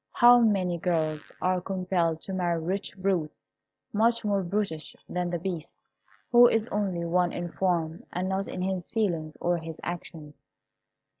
How many girls are compelled to marry rich brutes, much more brutish than the Beast, who is only one in form, and not in his feelings or his actions."